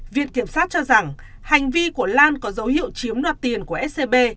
viện kiểm sát cho rằng hành vi của lan có dấu hiệu chiếm đoạt tiền của scb